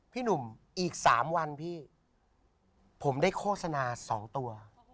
พี่หนุ่มอีก๓วันพี่ผมได้โฆษณา๒ตัว